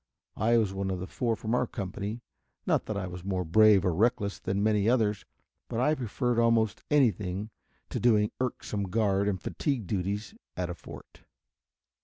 I was one of the four from our company; not that I was more brave or reckless than many others, but I preferred almost anything to doing irksome guard and fatigue duties at a fort.